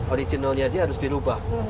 originalnya aja harus dirubah